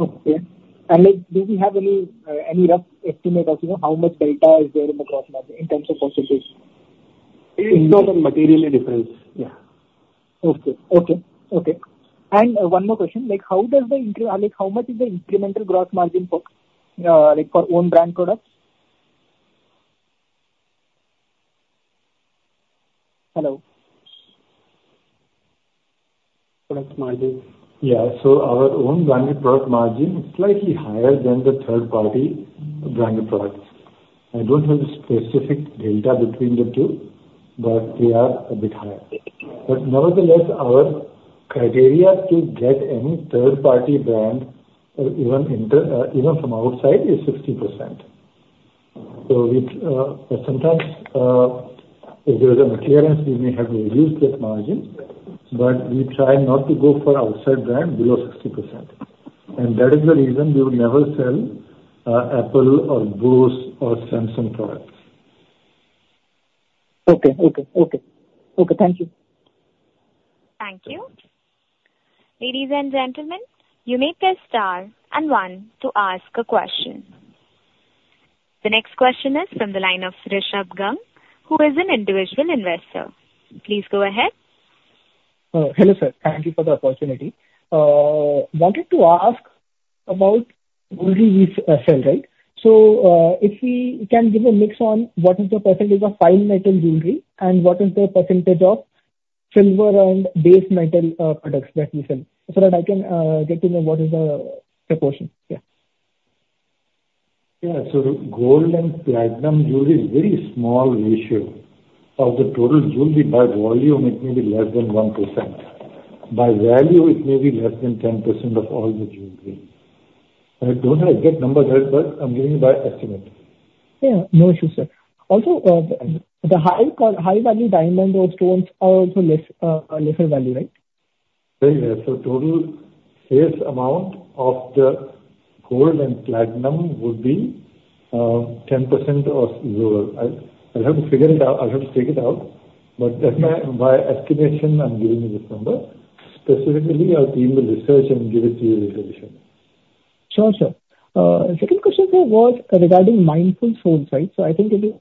Okay. And like, do we have any, any rough estimate as to know how much data is there in the gross margin in terms of percentage? It's not materially different. Yeah. Okay. Okay, okay. And, one more question, like, how much is the incremental gross margin for, like, for own brand products? Hello? Product margin. Yeah, so our own branded product margin is slightly higher than the third party branded products. I don't have the specific data between the two, but they are a bit higher. But nevertheless, our criteria to get any third party brand, even from outside, is 60%. So it, sometimes, if there is a clearance, we may have to reduce that margin, but we try not to go for outside brand below 60%. And that is the reason we will never sell, Apple or Bose or Samsung products. Okay, okay, okay. Okay, thank you. Thank you. Ladies and gentlemen, you may press star and one to ask a question. The next question is from the line of Rishabh Gang, who is an individual investor. Please go ahead. Hello, sir, thank you for the opportunity. Wanted to ask about jewelry we sell, right? So, if we can give a mix on what is the percentage of fine metal jewelry, and what is the percentage of silver and base metal, products that you sell, so that I can, get to know what is the proportion? Yeah. Yeah. So gold and platinum jewelry is very small ratio of the total jewelry. By volume, it may be less than 1%. By value, it may be less than 10% of all the jewelry. I don't have the exact numbers, but I'm giving you an estimate. Yeah, no issue, sir. Also, the high value diamond or stones are also less, a lesser value, right? Very well. So total sales amount of the gold and platinum would be 10% or lower. I, I'll have to figure it out. I'll have to take it out, but that's my estimation, I'm giving you this number. Specifically, our team will research and give it to you in resolution. Sure, sure. Second question here was regarding Mindful Souls, right? So I think it is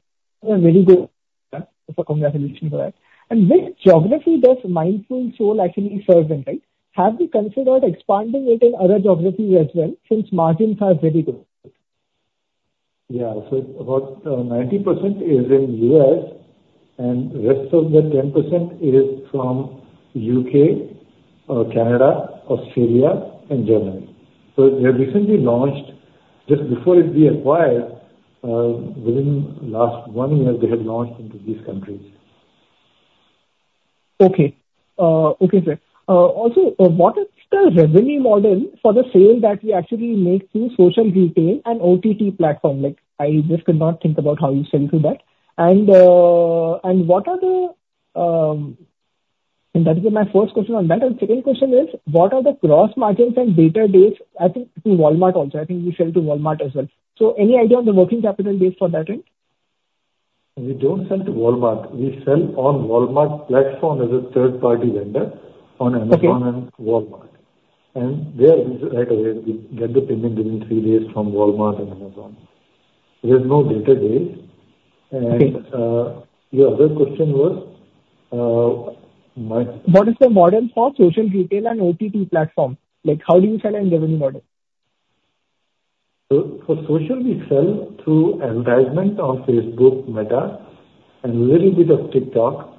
a very good, so congratulations for that. And which geography does Mindful Souls actually serve in, right? Have you considered expanding it in other geographies as well, since margins are very good? Yeah. So about 90% is in U.S., and rest of the 10% is from U.K., Canada, Australia and Germany. So we have recently launched, just before we acquired, within last 1 year, they have launched into these countries. Okay. Okay, sir. Also, what is the revenue model for the sale that we actually make through social retail and OTT platform? Like, I just could not think about how you sell through that. And that is my first question on that. And second question is, what are the gross margins and DSO days to Walmart also, I think we sell to Walmart as well. So any idea on the working capital days for that end? We don't sell to Walmart. We sell on Walmart platform as a third-party vendor, on Amazon- Okay. and Walmart. And there, right away, we get the payment within three days from Walmart and Amazon. There's no data days. Okay. And, your other question was, mi- What is the model for social retail and OTT platform? Like, how do you sell and revenue model? So for social, we sell through advertisement on Facebook, Meta, and little bit of TikTok.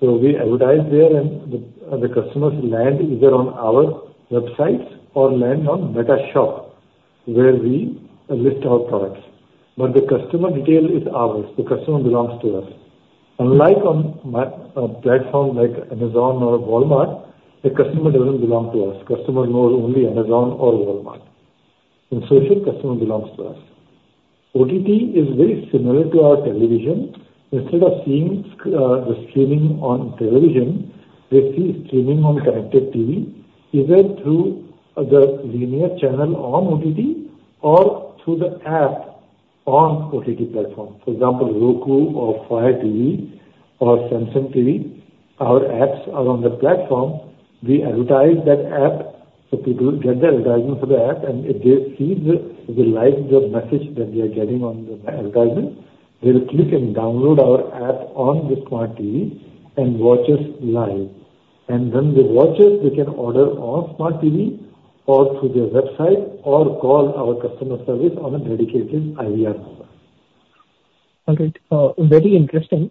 So we advertise there, and the customers land either on our websites or land on Meta Shop, where we list our products, but the customer detail is ours. The customer belongs to us. Unlike on platforms like Amazon or Walmart, the customer doesn't belong to us. Customer knows only Amazon or Walmart. In social, customer belongs to us. OTT is very similar to our television. Instead of seeing the streaming on television, they see streaming on connected TV, either through the linear channel on OTT or through the app on OTT platform. For example, Roku or Fire TV or Samsung TV, our apps are on the platform. We advertise that app, so people get the advertisement for the app, and if they see that, they like the message that we are getting on the advertisement, they'll click and download our app on the Smart TV and watch us live. When they watch us, they can order on Smart TV or through their website, or call our customer service on a dedicated IVR number. All right, very interesting.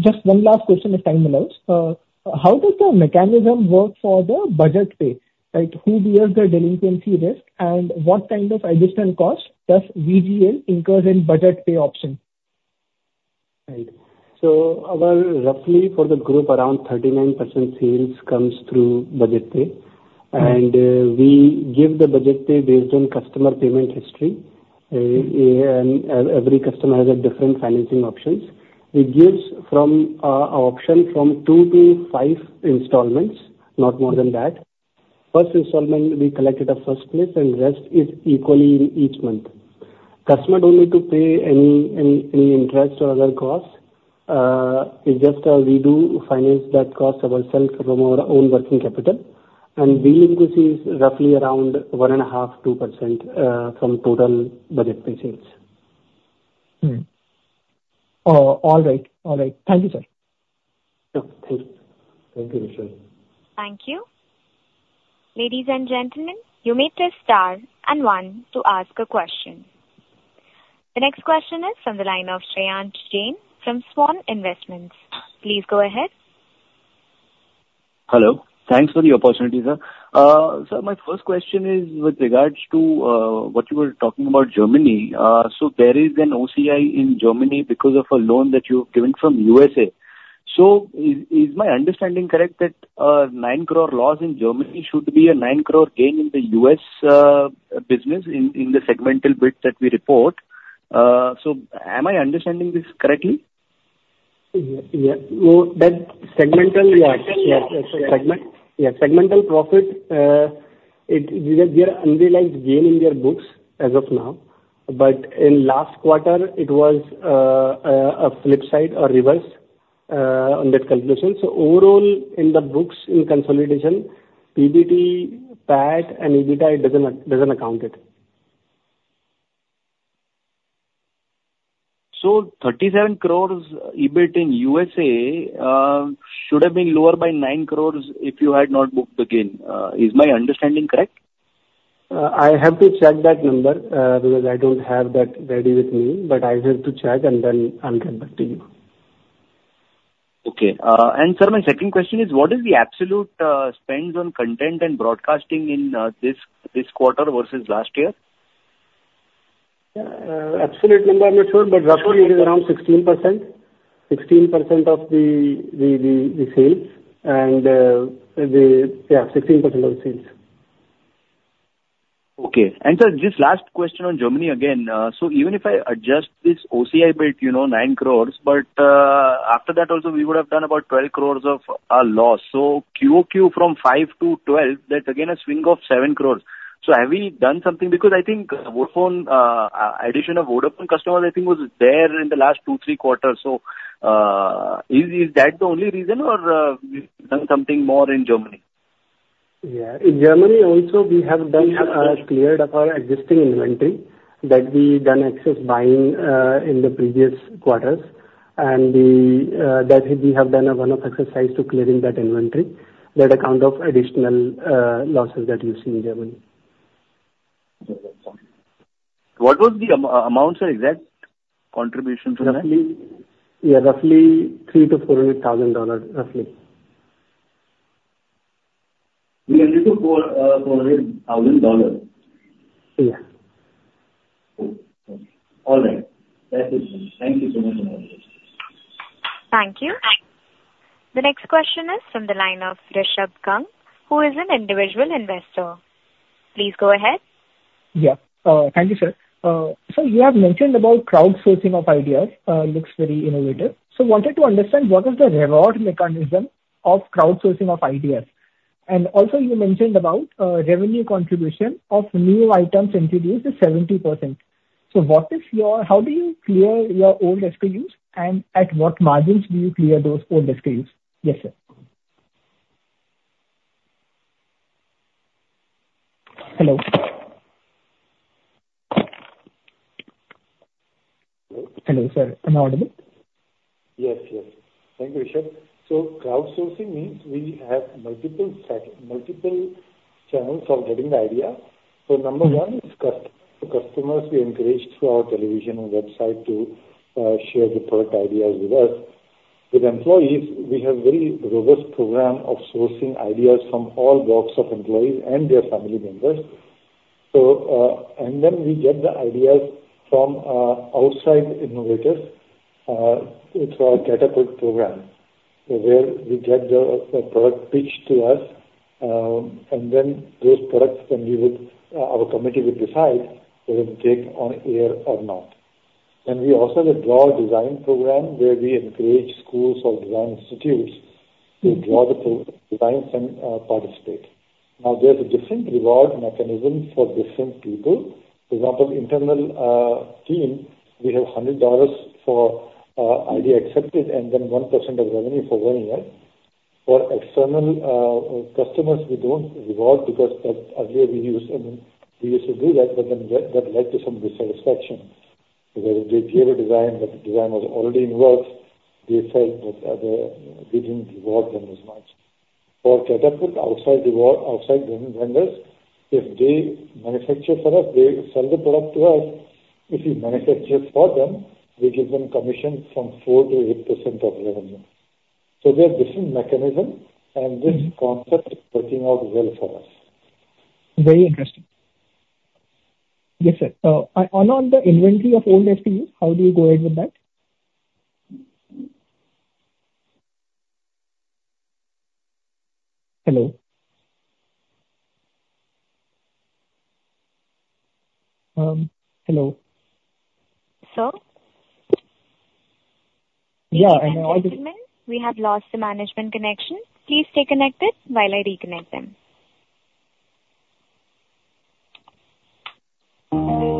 Just one last question if time allows. How does the mechanism work for the BudgetPay? Like, who bears the delinquency risk, and what kind of additional cost does VGL incur in BudgetPay option? Right. So our... Roughly for the group, around 39% sales comes through BudgetPay. Mm-hmm. We give the BudgetPay based on customer payment history. Every customer has a different financing options. It gives from a option from two to five installments, not more than that. First installment, we collected at first place, and rest is equally in each month.... Customers don't need to pay any interest or other costs. It's just, we do finance that cost ourselves from our own working capital, and this is roughly around 1.5-2% from total budget per sales. All right. All right. Thank you, sir. Y Yeah, thank you. Thank you, Vishal. Thank you. Ladies and gentlemen, you may press Star and One to ask a question. The next question is from the line of Shreyans Jain from Svan Investments. Please go ahead. Hello. Thanks for the opportunity, sir. So my first question is with regards to what you were talking about Germany. So there is an OCI in Germany because of a loan that you've given from USA. So is my understanding correct, that 9 crore loss in Germany should be a 9 crore gain in the US business in the segmental bit that we report? So am I understanding this correctly? Yeah, yeah. Well, that segmental, yeah. Segmental, yes. Yeah, segmental profit, there are unrealized gain in their books as of now, but in last quarter it was a flip side or reverse on that calculation. So overall, in the books, in consolidation, PBT, PAT and EBITDA doesn't account it. 37 crores EBIT in USA should have been lower by 9 crores if you had not booked the gain. Is my understanding correct? I have to check that number, because I don't have that ready with me, but I have to check and then I'll come back to you. Okay. And sir, my second question is what is the absolute spend on content and broadcasting in this quarter versus last year? Absolute number I'm not sure, but roughly it is around 16%. 16% of the sales. Yeah, 16% of the sales. Okay. And sir, just last question on Germany again. So even if I adjust this OCI bit, you know, 9 crores, but after that also we would have done about 12 crores of loss. So QOQ from 5 to 12, that's again a swing of 7 crores. So have we done something? Because I think Vodafone addition of Vodafone customers I think was there in the last 2, 3 quarters. So is that the only reason or we've done something more in Germany? Yeah. In Germany also, we have cleared up our existing inventory that we've done excess buying in the previous quarters. And we have done a one-off exercise to clear that inventory. That accounts for the additional losses that you see in Germany. What was the amount, sir, exact contribution to that? Roughly... Yeah, roughly $300,000-$400,000, roughly. $300,000-$400,000? Yeah. Oh, okay. All right. That's it. Thank you so much for your assistance. Thank you. The next question is from the line of Rishabh Gang, who is an individual investor. Please go ahead. Yeah. Thank you, sir. So you have mentioned about crowdsourcing of ideas, looks very innovative. So wanted to understand what is the reward mechanism of crowdsourcing of ideas? And also you mentioned about, revenue contribution of new items introduced is 70%. So what is your... How do you clear your old SKUs, and at what margins do you clear those old SKUs? Yes, sir. Hello? Hello. Hello, sir. Am I audible? Yes, yes. Thank you, Rishabh. So crowdsourcing means we have multiple set, multiple channels for getting the idea. Mm-hmm. So number one is customers be encouraged through our television and website to share their product ideas with us. With employees, we have very robust program of sourcing ideas from all blocks of employees and their family members. And then we get the ideas from outside innovators. It's our Catapult program, where we get the product pitched to us, and then those products, our committee would decide whether to take on air or not. And we also have Draw Your Design program, where we encourage schools or design institutes- Mm-hmm. to draw the pro designs and participate. Now, there's a different reward mechanism for different people. For example, internal team, we have $100 for idea accepted and then 1% of revenue for one year. For external customers, we don't reward because earlier we used to do that, but then that led to some dissatisfaction. Where they gave a design, but the design was already in work, they felt that they, we didn't reward them as much. For Catapult, outside reward, outside vendors, if they manufacture for us, they sell the product to us. If we manufacture for them, we give them commission from 4%-8% of revenue. So there are different mechanism, and this concept is working out well for us. Very interesting. Yes, sir. On the inventory of old SKU, how do you go ahead with that? Hello? Hello. Sir?... Ladies and gentlemen, we have lost the management connection. Please stay connected while I reconnect them. Ladies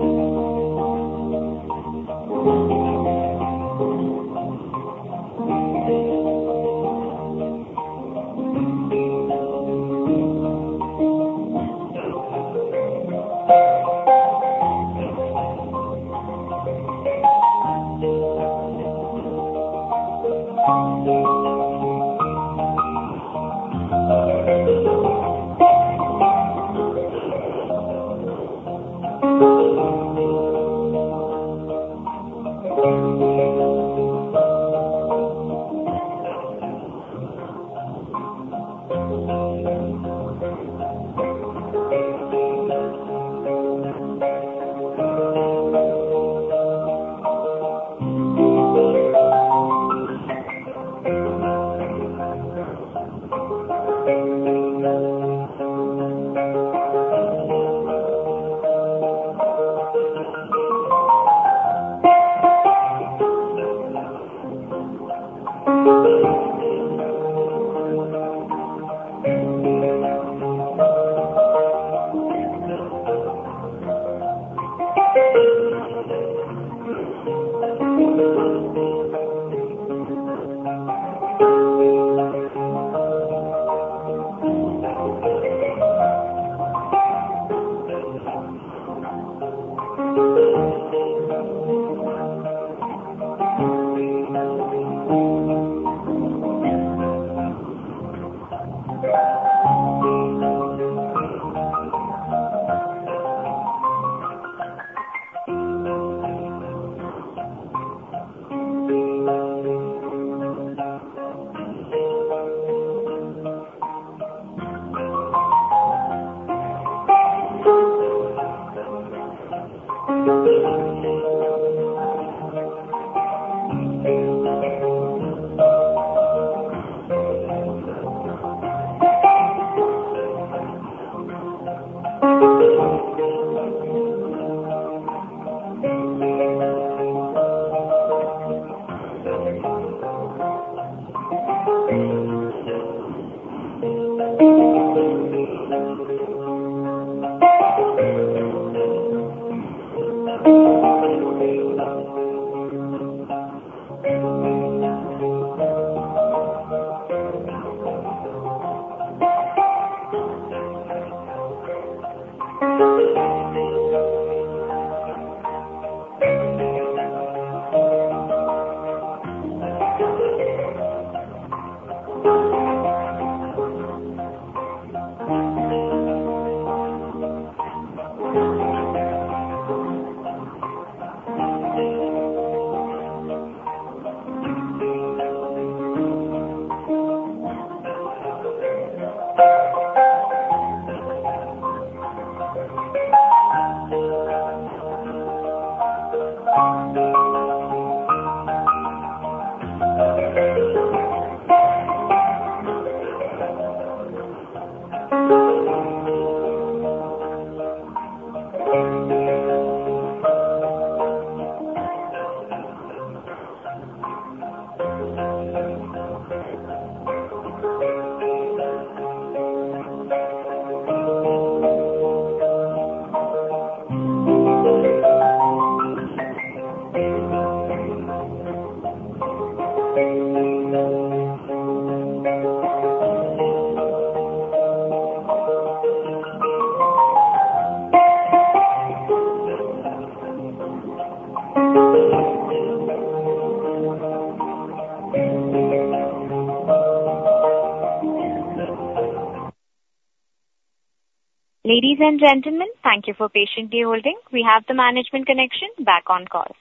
and gentlemen, thank you for patiently holding. We have the management connection back on call.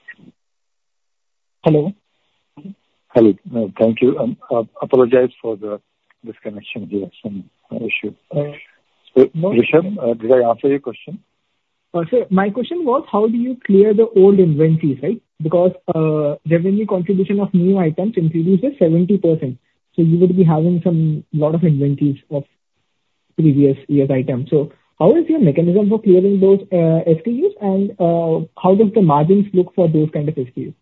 Hello? Hello. Thank you, and apologize for the disconnection. We had some issue. Rishabh, did I answer your question? So my question was, how do you clear the old inventories, right? Because, revenue contribution of new items increases 70%, so you would be having some lot of inventories of previous year's items. So how is your mechanism for clearing those, SKUs, and, how does the margins look for those kind of SKUs?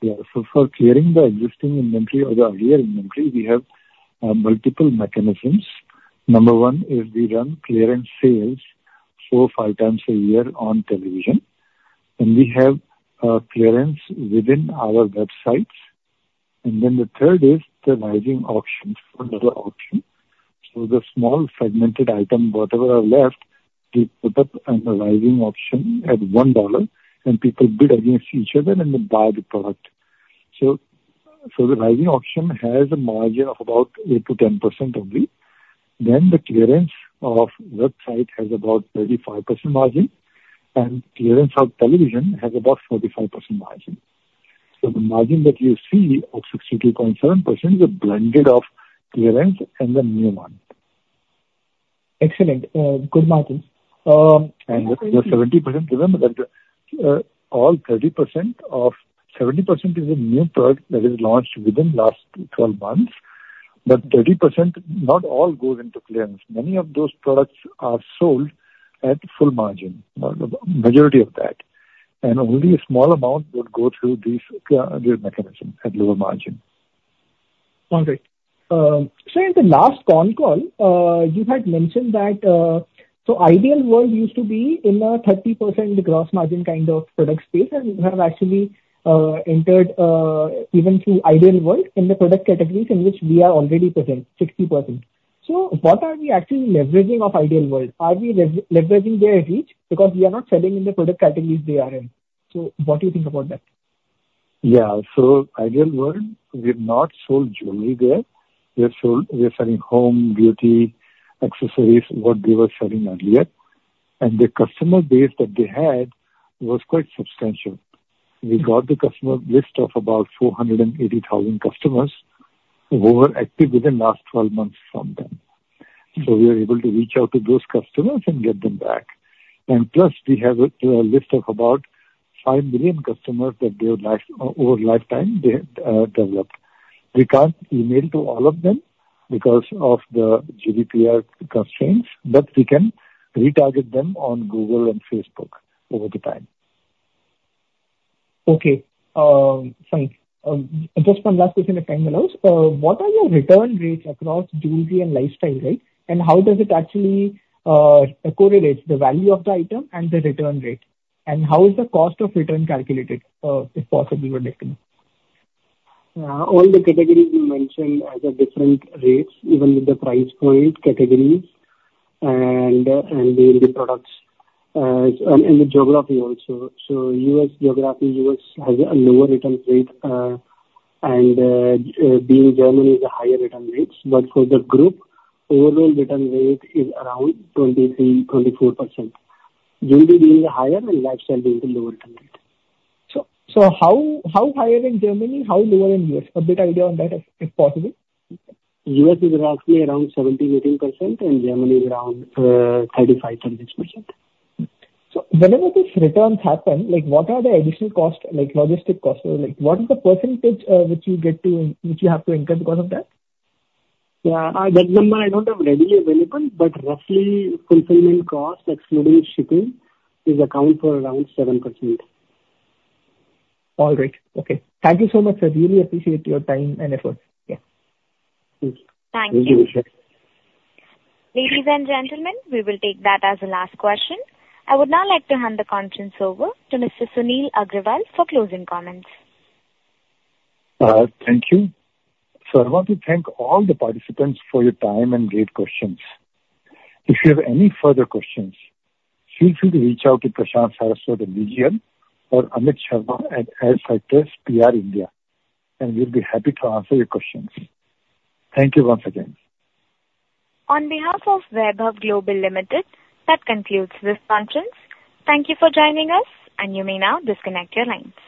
Yeah. So for clearing the existing inventory or the earlier inventory, we have multiple mechanisms. Number one is we run clearance sales 4-5 times a year on television, and we have clearance within our websites. And then the third is the Rising Auction, another option. So the small segmented item, whatever are left, we put up on the Rising Auction at $1, and people bid against each other, and they buy the product. So, so the Rising Auction has a margin of about 8%-10% only. Then the clearance of website has about 35% margin, and clearance of television has about 45% margin. So the margin that you see of 62.7% is a blended of clearance and the new one. Excellent. Good margin, The 70%, remember that, 70% is a new product that is launched within last 12 months. But 30%, not all goes into clearance. Many of those products are sold at full margin, or the majority of that, and only a small amount would go through this clearance mechanism at lower margin. Okay. So in the last con call, you had mentioned that, so Ideal World used to be in a 30% gross margin kind of product space, and you have actually entered, even through Ideal World in the product categories in which we are already present, 60%. So what are we actually leveraging off Ideal World? Are we leveraging their reach? Because we are not selling in the product categories they are in. So what do you think about that? Yeah. So Ideal World, we've not sold jewelry there. We have sold... We are selling home, beauty, accessories, what we were selling earlier, and the customer base that they had was quite substantial. We got the customer list of about 480,000 customers who were active within the last 12 months from them. So we are able to reach out to those customers and get them back. And plus, we have a list of about 5 million customers that they would like over lifetime, they developed. We can't email to all of them because of the GDPR constraints, but we can retarget them on Google and Facebook over the time. Okay. Fine. Just one last question, if time allows. What are your return rates across jewelry and lifestyle, right? And how does it actually correlate the value of the item and the return rate? And how is the cost of return calculated, if possible to break down? All the categories we mentioned have different rates, even with the price point categories and even the products, and the geography also. So U.S. geography, U.S. has a lower return rate, and in Germany is a higher return rate. But for the group, overall return rate is around 23%-24%. Jewelry being higher and lifestyle being the lower return rate. So, how higher in Germany, how lower in US? A better idea on that, if possible. US is roughly around 17%-18%, and Germany is around 35%-36%. So whenever these returns happen, like, what are the additional costs, like logistics costs? Like, what is the percentage, which you get to, which you have to incur because of that? Yeah, that number I don't have readily available, but roughly, fulfillment costs, excluding shipping, accounts for around 7%. All right. Okay. Thank you so much, sir. Really appreciate your time and effort. Yeah. Thank you. Thank you. Ladies and gentlemen, we will take that as the last question. I would now like to hand the conference over to Mr. Sunil Agrawal for closing comments. Thank you. So I want to thank all the participants for your time and great questions. If you have any further questions, feel free to reach out to Prashant Suryawanshi, the DGM, or Amit Sharma at Adfactors PR India, and we'll be happy to answer your questions. Thank you once again. On behalf of Vaibhav Global Limited, that concludes this conference. Thank you for joining us, and you may now disconnect your line.